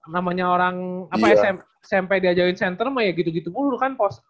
namanya orang smp diajarin center mah ya gitu gitu mulu kan pos